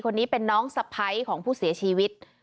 คนนี้เป็นน้องสะพ้ายของผู้เสียชีวิต